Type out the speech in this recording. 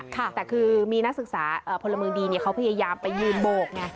แต่คือมีนักศึกษาพลเมืองดีเขาพยายามไปยืนโบกไง